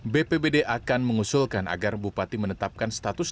bpbd akan mengusulkan agar bupati menetapkan status